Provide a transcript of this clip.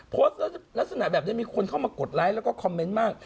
โพสต์ลักษณะแบบนี้มีคนเข้ามากดไลค์แล้วก็คอมเมนต์มาก